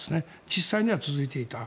実際には続いていた。